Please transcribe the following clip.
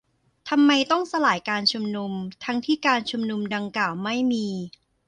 - ทำไมต้องสลายการชุมนุม ทั้งที่ การชุมนุมดังกล่าวไม่มี